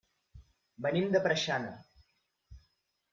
Venim de Preixana.